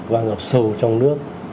và ngập sầu trong nước